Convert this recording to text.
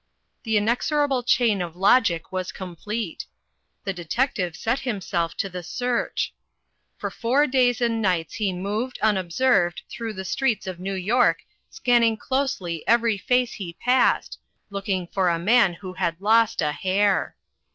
The inexorable chain of logic was complete. The detective set himself to the search. For four days and nights he moved, unobserved, through the streets of New York scanning closely every face he passed, looking for a man who had lost a hair.